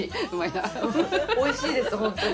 おいしいですホントに。